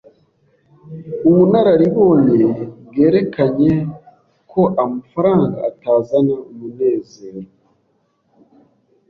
Ubunararibonye bwerekanye ko amafaranga atazana umunezero.